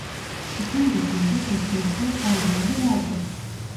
Sütün dışında besinsel faydaları vardır.